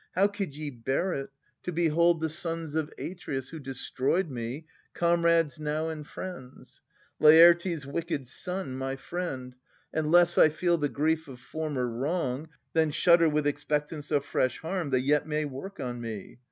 How could ye bear it, to behold the sons of Atreus, who destroyed me, comrades now And friends ! Laertes' wicked son, my friend ! And less I feel the grief of former wrong Than shudder with expectance of fresh harm They yet may work on me.